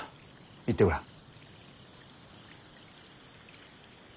言ってごらん。